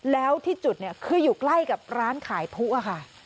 แล้วที่จุดคืออยู่ใกล้กับร้านขายพุค่ะ